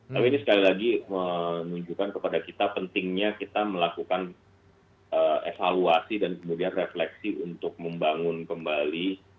tapi ini sekali lagi menunjukkan kepada kita pentingnya kita melakukan evaluasi dan kemudian refleksi untuk membangun kembali